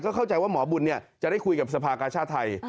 เข้าใจว่าหมอบุญจะได้คุยกับสภากาชาติไทย